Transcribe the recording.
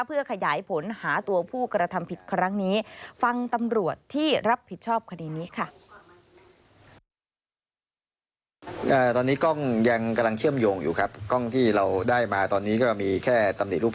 เพื่อขยายผลหาตัวผู้กระทำผิดครั้งนี้ฟังตำรวจที่รับผิดชอบคดีนี้ค่ะ